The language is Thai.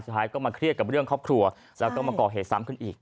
สุดท้ายก็มาเครียดกับเรื่องครอบครัวแล้วก็มาก่อเหตุซ้ำขึ้นอีก